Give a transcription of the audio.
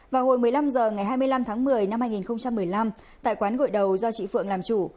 vào hồi một mươi năm h ngày hai mươi năm tháng một mươi năm hai nghìn một mươi năm tại quán gội đầu do chị phượng làm chủ